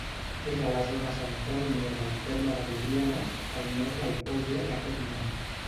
És a la zona central-nord del terme de Glorianes, al nord del poble d'aquest nom.